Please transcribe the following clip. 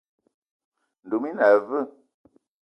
Ndoum i na aveu?